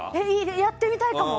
やってみたいかも。